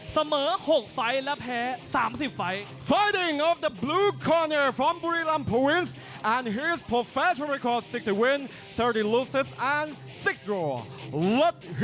เสมอ๖ไฟล์และแพ้๓๐ไฟล์